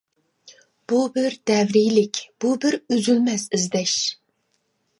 بۇ بىر دەۋرىيلىك، بۇ بىر ئۈزۈلمەس ئىزدەش!